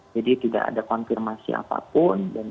tidak ada konfirmasi apapun